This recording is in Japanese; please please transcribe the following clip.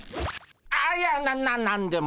あっいやな何でも。